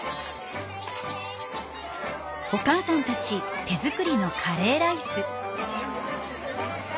お母さんたち手作りのカレーライス。